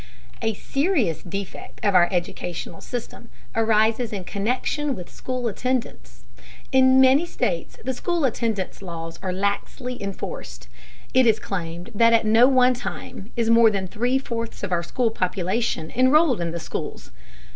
A serious defect of our educational system arises in connection with school attendance. In many states the school attendance laws are laxly enforced. It is claimed that at no one time is more than three fourths of our school population enrolled in the schools.